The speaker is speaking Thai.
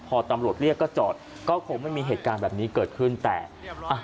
พอตำรวจเรียกก็จอดก็คงไม่มีเหตุการณ์แบบนี้เกิดขึ้นแต่อ่ะ